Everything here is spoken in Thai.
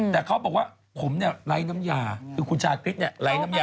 แต่เขาบอกว่าผมเนี่ยไร้น้ำยาคือคุณชาคริสเนี่ยไร้น้ำยา